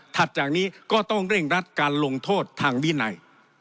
จากนี้ก็ต้องเร่งรัดการลงโทษทางวินัย